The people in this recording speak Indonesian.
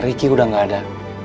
ricky udah gak ada